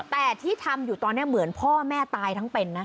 แต่ที่ทำอยู่ตอนนี้เหมือนพ่อแม่ตายทั้งเป็นนะ